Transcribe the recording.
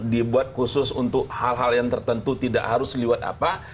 dibuat khusus untuk hal hal yang tertentu tidak harus lewat apa